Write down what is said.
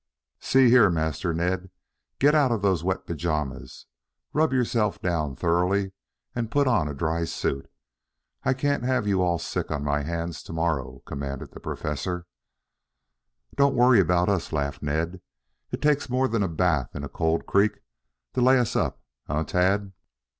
"See here, Master Ned. Get out of those wet pajamas, rub yourself down thoroughly and put on a dry suit. I can't have you all sick on my hands to morrow," commanded the Professor. "Don't worry about us," laughed Ned. "It takes more than a bath in a cold creek to lay us up, eh, Tad?"